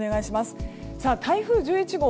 台風１１号